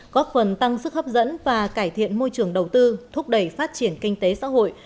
góp phần tăng sức hấp dẫn và cải thiện môi trường đầu tư thúc đẩy phát triển kinh tế xã hội